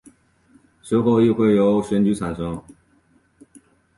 随后议会由选举产生。